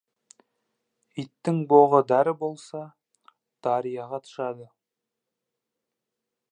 Иттің боғы дәрі болса, дарияға тышады.